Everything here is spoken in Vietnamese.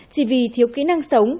chỉ vì thiếu kỹ năng sống